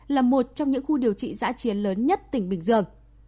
là một trong những khu điều trị giã chiến lớn nhất tỉnh bình dương